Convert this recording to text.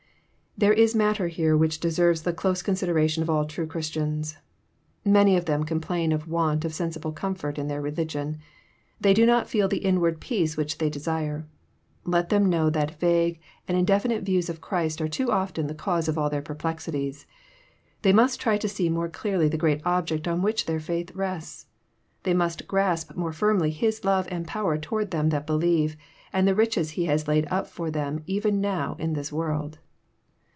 There is matter here which deserves the close consider ation of all true Christians. Many of them complain of want of sensible comfort in their religion^ They do not feel the inward peace which they desire. Let them know that vague and indefinite views of Christ are too often the cause of all their perplexities. They must try to see more clearly the great object on which their faith rests. tJThey must grasp more firmly His love and power toward them that believe, and the riches He has laid up for them even now in this world.